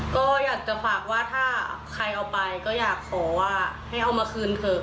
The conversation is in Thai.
ก็อยากจะฝากว่าถ้าใครเอาไปก็อยากขอว่าให้เอามาคืนเถอะ